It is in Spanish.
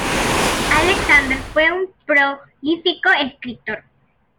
Alexander fue un prolífico escritor.